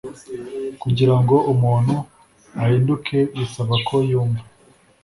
kugira ngo umuntu ahinduke bisaba ko yumva